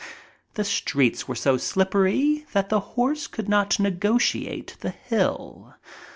The streets were so slippery that the horse could not negotiate the hill.